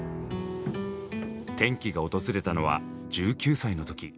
転機が訪れたのは１９歳の時。